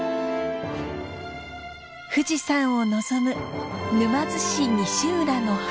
富士山を望む沼津市西浦の浜。